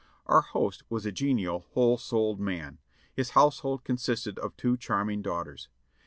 Our host was a genial, whole souled man; his household con sisted of two charming daughters.